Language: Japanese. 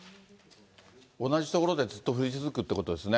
同じ所でずっと降り続くということですね。